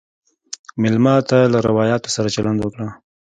مېلمه ته له روایاتو سره چلند وکړه.